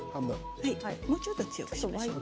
もうちょっと強くしましょうか。